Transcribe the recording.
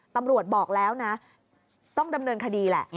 บอกแล้วนะต้องดำเนินคดีแหละ